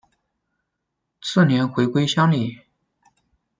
次年回归乡里。